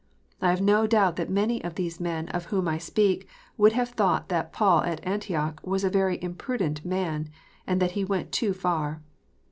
I have no doubt that many of these men of whom I speak, would have thought that Paul at Antioch was a very imprudent man, and that he went too far